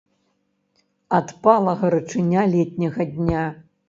Адпала гарачыня летняга дня.